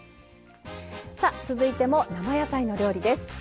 さあ続いても生野菜の料理です。